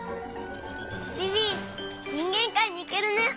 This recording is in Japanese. ビビにんげんかいにいけるね！